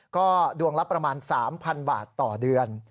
ก็ดวงละประมาณ๓๐๐๐บาทต่อเดือน